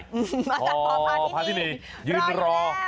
เพราะพันที่นี่ยืนรอ